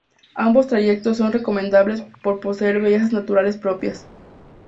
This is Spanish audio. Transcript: Ambos trayectos son recomendables por poseer bellezas naturales propias.